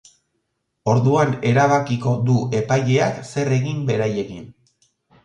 Orduan erabkiko du epaileak zer egin beraiekin.